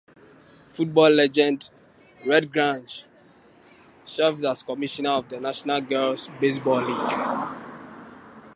Football legend Red Grange served as commissioner of the National Girls Baseball League.